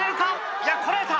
⁉いやこらえた！